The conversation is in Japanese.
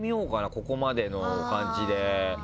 ここまでの感じ。